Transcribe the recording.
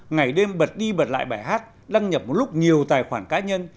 ngày đêm bật đi bật lại bài hát đăng nhập một lúc nhiều tài khoản cá nhân